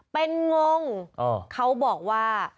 เป็นงงเขาบอกว่า